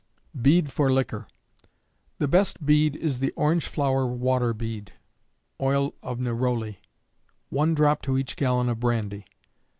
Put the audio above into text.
Bead for Liquor. The best bead is the orange flower water bead, (oil of neroli,) 1 drop to each gallon of brandy.